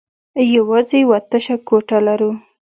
يواځې يوه تشه کوټه لرو.